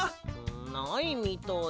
ないみたい。